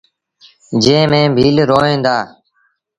جݩهݩ ميݩ ڀيٚل روهيݩ دآ۔